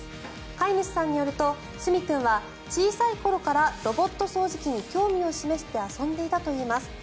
飼い主さんによると澄君は小さい頃からロボット掃除機に興味を示して遊んでいたといいます。